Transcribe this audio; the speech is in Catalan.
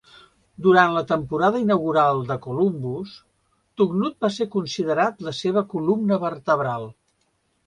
Durant la temporada inaugural de Columbus, Tugnutt va ser considerat la seva columna vertebral.